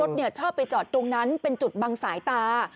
ชอบไปจอดตรงนั้นเป็นจุดบังสายตา